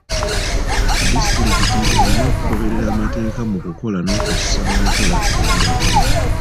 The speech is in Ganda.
Disitulikiti erina okugoberera amateeka mu kukola n'okussa mu nkola ebiragiro.